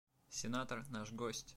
Сенатор – наш гость.